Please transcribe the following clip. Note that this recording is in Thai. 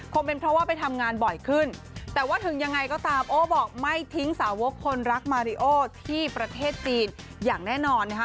คงเป็นเพราะว่าไปทำงานบ่อยขึ้นแต่ว่าถึงยังไงก็ตามโอ้บอกไม่ทิ้งสาวกคนรักมาริโอที่ประเทศจีนอย่างแน่นอนนะคะ